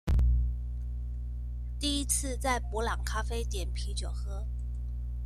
第一次在伯朗咖啡點啤酒喝